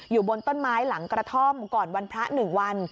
อยู่บนต้นไม้หลังกระท่อมก่อนวันพระ๑วัน